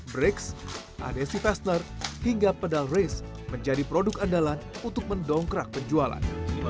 brix adesi paster hingga pedal race menjadi produk andalan untuk mendongkrak penjualan